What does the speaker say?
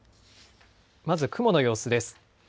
まず雲の様子です。